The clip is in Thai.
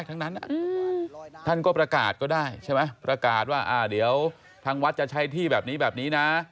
ทั้งนั้นท่านก็ประกาศก็ได้ใช่ไหมประกาศว่าเดี๋ยวทางวัดจะใช้ที่แบบนี้แบบนี้นะ